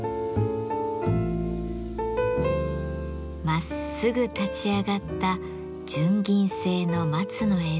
まっすぐ立ち上がった純銀製の松の枝。